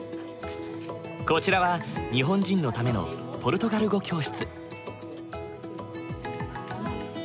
こちらは日本人のためのポルトガル語教室。